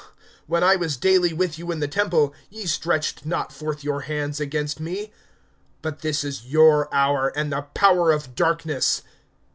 (53)When I was daily with you in the temple, ye stretched not forth your hands against me. But this is your hour, and the power of darkness.